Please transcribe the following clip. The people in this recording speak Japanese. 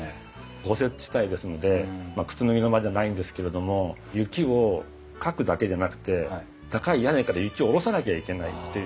豪雪地帯ですので靴脱ぎの間じゃないんですけれども雪をかくだけでなくて高い屋根から雪を下ろさなきゃいけないっていう。